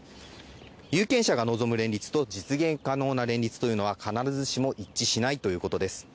有権者が望む連立と実現可能な連立というのは必ずしも一致しないということです。